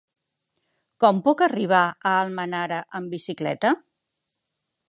Com puc arribar a Almenara amb bicicleta?